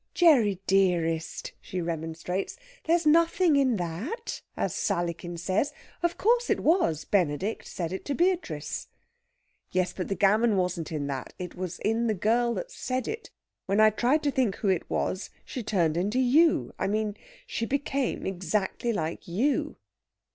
"Gerry dearest!" she remonstrates. "There's nothing in that, as Sallykin says. Of course it was Benedict said it to Beatrice." "Yes but the gammon wasn't in that. It was the girl that said it. When I tried to think who it was, she turned into you! I mean, she became exactly like you."